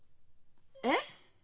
えっ？